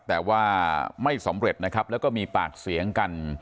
แต่ว่าไม่สำเร็จนะครับแล้วก็มีปากเสียงกัน